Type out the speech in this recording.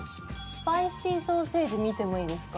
スパイシーソーセージ見てもいいですか？